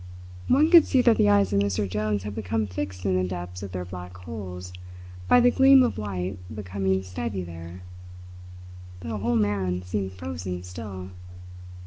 One could see that the eyes of Mr. Jones had become fixed in the depths of their black holes by the gleam of white becoming steady there. The whole man seemed frozen still.